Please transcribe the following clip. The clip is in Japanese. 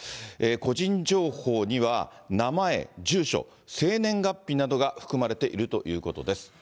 個人情報には、名前、住所、生年月日などが含まれているということです。